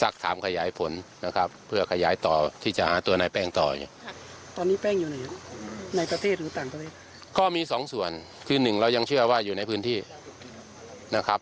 ก็มีสองส่วนคือหนึ่งเรายังเชื่อว่าอยู่ในพื้นที่นะครับ